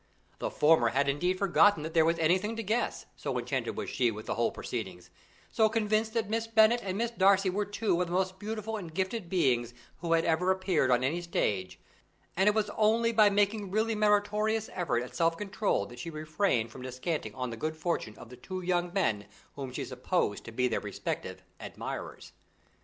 The former had indeed forgotten that there was anything to guess, so enchanted was she with the whole proceeding, so convinced that Miss Bennet and Miss Darcy were two of the most beautiful and gifted beings who had ever appeared on any stage, and it was only by making really meritorious effort at self control, that she refrained from descanting on the good fortune of the two young men whom she supposed to be their respective admirers.